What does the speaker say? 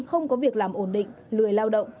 không có việc làm ổn định lười lao động